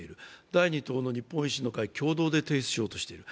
第２党の日本維新の会共同で提出しようとしている。